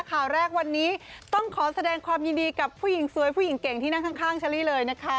ข่าวแรกวันนี้ต้องขอแสดงความยินดีกับผู้หญิงสวยผู้หญิงเก่งที่นั่งข้างเชอรี่เลยนะคะ